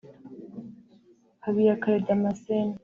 Habiyakare Damascene